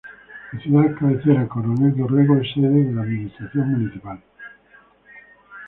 La ciudad cabecera -Coronel Dorrego- es sede de la administración municipal.